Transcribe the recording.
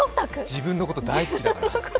自分のこと大好きだから。